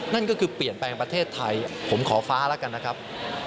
นั่นก็คือเปลี่ยนแปลงประเทศไทยผมขอฟ้าแล้วกันนะครับ